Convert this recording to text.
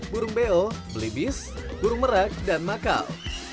burung beo belibis burung merak dan makau